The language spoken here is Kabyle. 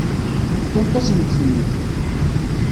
Fkant-asent-ten-id.